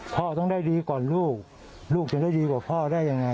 ต้องได้ดีก่อนลูกลูกจะได้ดีกว่าพ่อได้ยังไง